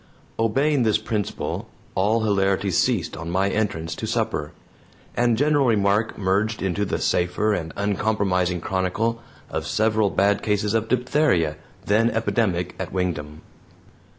Obeying this principle, all hilarity ceased on my entrance to supper, and general remark merged into the safer and uncompromising chronicle of several bad cases of diphtheria, then epidemic at Wingdam.